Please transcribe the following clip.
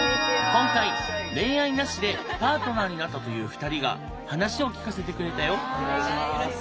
今回恋愛なしでパートナーになったという２人が話を聞かせてくれたよ。